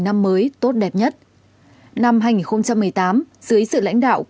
năm mới tốt đẹp nhất năm hai nghìn một mươi tám dưới sự lãnh đạo của